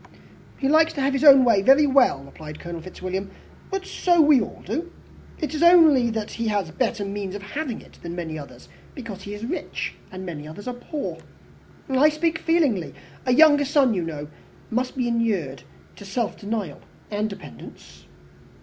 "He likes to have his own way very well," replied Colonel Fitzwilliam. "But so we all do. It is only that he has better means of having it than many others, because he is rich, and many others are poor. I speak feelingly. A younger son, you know, must be inured to self denial and dependence."